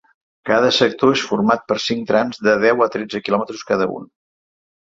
Cada sector és format per cinc trams de deu a tretze quilòmetres cada un.